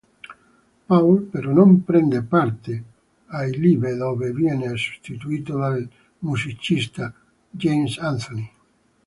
Paul però non prende parte ai live dove viene sostituito dal musicista James Anthony.